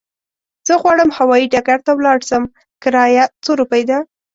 زه غواړم هوايي ډګر ته ولاړ شم، کرايه څو روپی ده؟